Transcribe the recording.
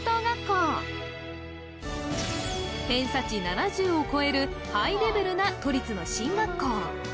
偏差値７０を超えるハイレベルな都立の進学校